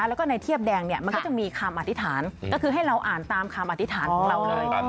แล้วก็ในเทียบแดงเนี่ยมันก็จะมีคำอธิษฐานก็คือให้เราอ่านตามคำอธิษฐานของเราเลย